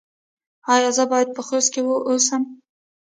ایا زه باید په خوست کې اوسم؟